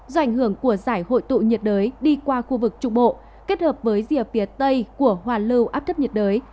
do ảnh hưởng của giải hội tụ nhiệt đới đi qua khu vực trung bộ kết hợp với rìa phía tây của hoàn lưu áp thấp nhiệt đới